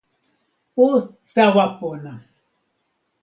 o tawa pona!